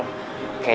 nanti aku mau ke mobil